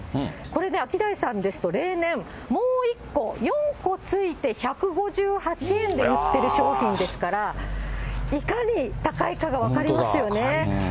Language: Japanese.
これね、アキダイさんですと例年、もう１個、４個ついて１５８円で売ってる商品ですから、いかに高いかが分かりますよね。